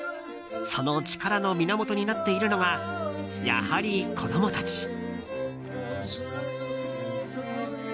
その力の源になっているのがやはり子供たち。